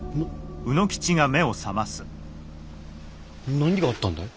何があったんだい？